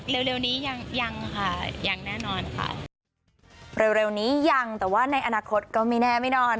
เร็วนี้ยังค่ะยังแน่นอนค่ะ